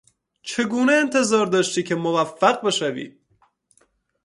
چگونه انتظار داشتی که موفق بشوی؟